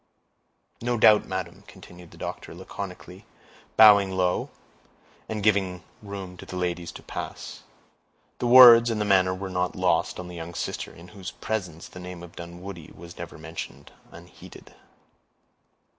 "No doubt, madam," continued the doctor, laconically, bowing low, and giving room to the ladies to pass. The words and the manner were not lost on the younger sister, in whose presence the name of Dunwoodie was never mentioned unheeded.